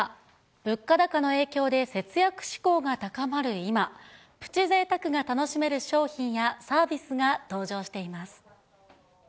物価高の影響で節約志向が高まる今、プチぜいたくが楽しめる商品やサービスが登場しています。